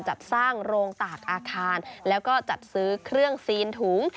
จัดสร้างโรงตากอาคารแล้วก็จัดซื้อเครื่องซีนถุง